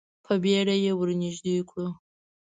په بیړه یې ور نږدې کړو.